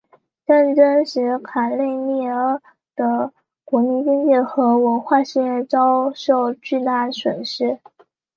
战争使卡累利阿的国民经济和文化事业遭受巨大损失。